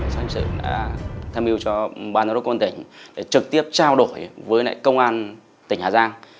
sản xuất đã tham dự cho ban giáo đốc quân tỉnh để trực tiếp trao đổi với công an tỉnh hà giang